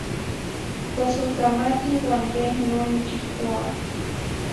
Tlasohcamati uan yeh non niquihtoa.